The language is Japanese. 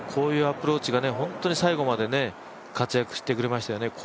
こういうアプローチが最後まで活躍してくれましたよね。